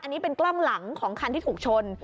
อันนี้เป็นกล้องหลังของคันที่ถูกชน